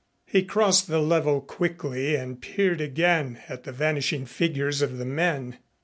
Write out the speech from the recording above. He crossed the level quickly and peered again at the vanishing figures of the men.